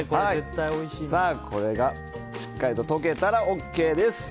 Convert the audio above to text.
これがしっかりと溶けたらＯＫです。